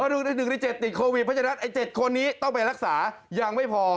ดูใน๑ใน๗ติดโควิดเพราะฉะนั้นไอ้๗คนนี้ต้องไปรักษายังไม่พอ